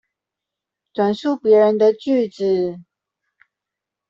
轉述別人的句子